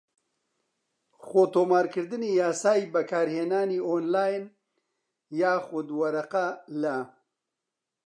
خۆتۆمارکردنی یاسای بەکارهێنانی ئۆنلاین یاخود وەرەقە لە